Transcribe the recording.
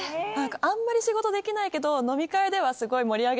あんまり仕事できないけど。